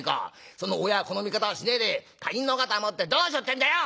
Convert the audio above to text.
その親が子の味方をしねえで他人の肩持ってどうしよってんだよ！